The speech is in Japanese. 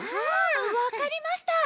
わかりました。